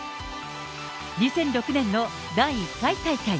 ２００６年の第１回大会。